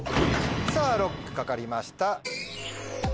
さぁＬＯＣＫかかりました。